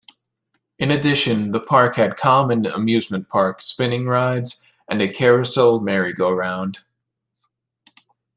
In addition, the park had common amusement park spinning rides and a carousel merry-go-round.